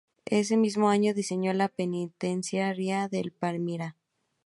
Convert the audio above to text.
Ese mismo año diseñó la Penitenciaría de Palmira.